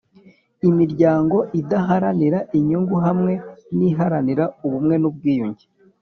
imiryango idaharanira inyungu hamwe niharanira ubumwe nubwiyunge